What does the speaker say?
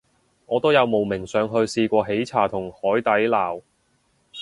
我都有慕名上去試過喜茶同海底撈